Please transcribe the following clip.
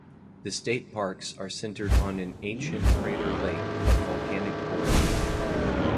The state park's are centered on an ancient crater lake of volcanic origin.